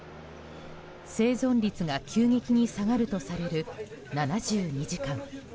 生存率が急激に下がるとされる７２時間。